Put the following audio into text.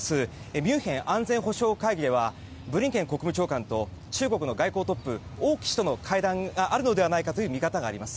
ミュンヘン安全保障会議ではブリンケン国務長官と中国の外交トップ王毅氏との会談があるのではないかという見方があります。